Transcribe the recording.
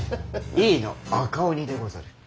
井伊の赤鬼でござる。